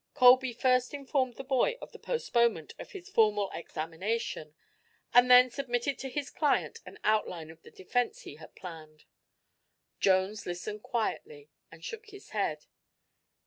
Colby first informed the boy of the postponement of his formal examination and then submitted to his client an outline of the defense he had planned. Jones listened quietly and shook his head.